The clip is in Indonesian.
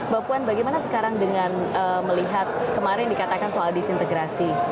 mbak puan bagaimana sekarang dengan melihat kemarin dikatakan soal disintegrasi